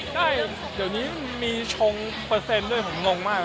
ได้เดี๋ยวนี้มีชงเปอร์เซ็นต์ด้วยผมงงมาก